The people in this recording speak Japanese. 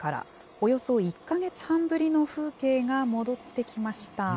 およそ１か月半ぶりの風景が戻ってきました。